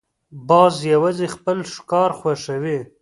باز یوازې خپل ښکار خوښوي